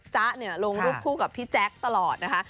จ๊ะลงรูปคู่กับพี่แจ๊กตลอดนะคะ